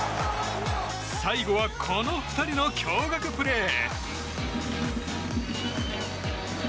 最後は、この２人の驚愕プレー。